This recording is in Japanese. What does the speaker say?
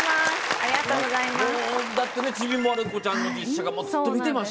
ありがとうございます。